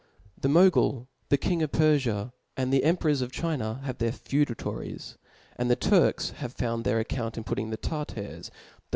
The Mogul, the king of Perfia, and the emperors of ^ China, have their feudatories ; and the Turks have found their account in putting the Tartars, the